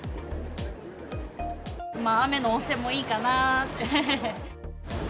雨の温泉もいいかなって。